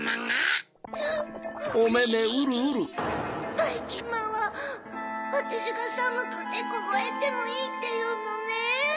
ばいきんまんはわたしがさむくてこごえてもいいっていうのね？